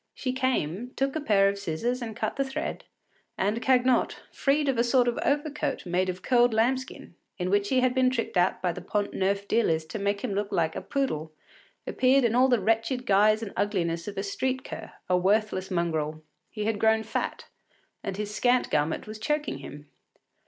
She came, took a pair of scissors cut the thread, and Cagnotte, freed of a sort of overcoat made of curled lambskin, in which he had been tricked out by the Pont Neuf dealers to make him look like a poodle, appeared in all the wretched guise and ugliness of a street cur, a worthless mongrel. He had grown fat, and his scant garment was choking him.